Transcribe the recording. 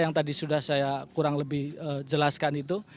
yang tadi sudah saya kurang lebih jelaskan itu